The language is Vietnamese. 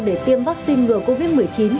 để tiêm vaccine ngừa covid một mươi chín